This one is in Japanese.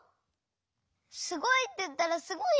すごいっていったらすごいんだよ！